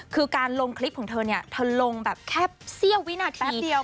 คือการลงคลิปของเธอลงแค่เสี้ยววินาที